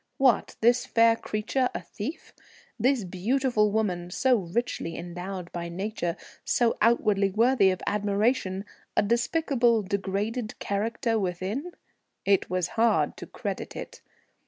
What! this fair creature a thief? This beautiful woman, so richly endowed by nature, so outwardly worthy of admiration, a despicable degraded character within? It was hard to credit it.